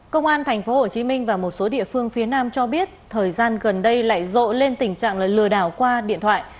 công an thành phố hồ chí minh và một số địa phương phía nam cho biết thời gian gần đây lại rộ lên tình trạng lừa đảo qua điện thoại